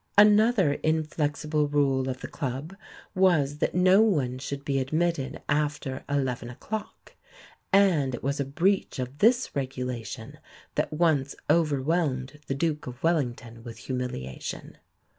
Another inflexible rule of the club was that no one should be admitted after eleven o'clock; and it was a breach of this regulation that once overwhelmed the Duke of Wellington with humiliation.